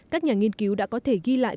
các nhà nghiên cứu đã có thể ghi lại